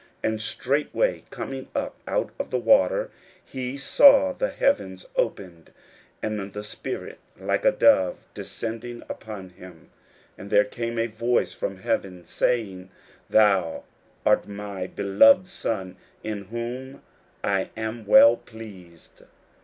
41:001:010 And straightway coming up out of the water, he saw the heavens opened, and the Spirit like a dove descending upon him: 41:001:011 And there came a voice from heaven, saying, Thou art my beloved Son, in whom I am well pleased.